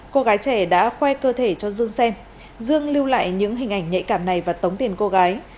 cô gái trẻ đã khoe cơ thể cho dương xem dương lưu lại những hình ảnh nhạy cảm này và tống tiền cô gái